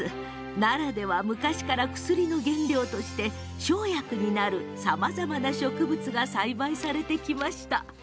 奈良では昔から薬の原料として生薬になる、さまざまな植物が栽培されてきました。